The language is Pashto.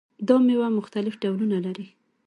دا میوه مختلف ډولونه لري.